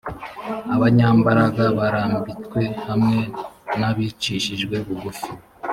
abanyambaraga barambitswe hamwe n abicishijwe bugufi